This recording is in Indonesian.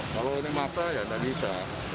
kalau ini maksa ya nggak bisa